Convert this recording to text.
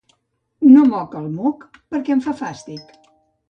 No moc el moc perquè em fa fàstic